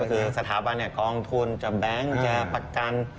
ก็คือสถาบันกองทุนจะแบงค์จะประกัน